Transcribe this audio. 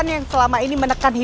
yang menutupi maksud tante